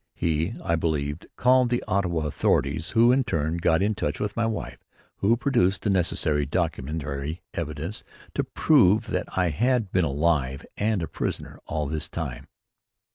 He, I believe, cabled the Ottawa authorities, who in turn got in touch with my wife, who produced the necessary documentary evidence to prove that I had been alive and a prisoner all this time.